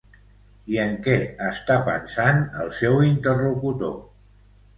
I en què està pensant el seu interlocutor?